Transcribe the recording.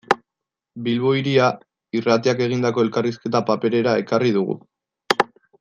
Bilbo Hiria Irratiak egindako elkarrizketa paperera ekarri dugu.